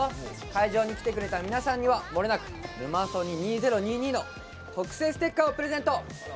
会場に来てくれた皆さんにはもれなく「ヌマソニ２０２２」の特製ステッカーをプレゼント！